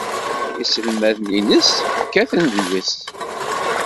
Inelmaden-nnes kkaten-d deg-s.